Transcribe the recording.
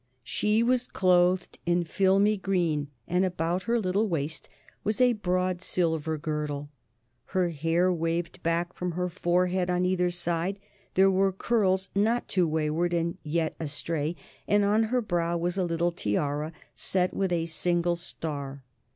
She was clothed in filmy green, and about her little waist was a broad silver girdle. Her hair waved back from her forehead on either side; there were curls not too wayward and yet astray, and on her brow was a little tiara, set with a single star.